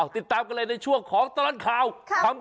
ติดตามกันเลยในช่วงของตลอดข่าว